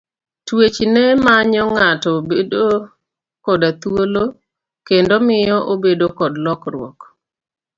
Twech ne manyo ng'ato bedo koda thuolo kendo miyo obedo kod lokruok.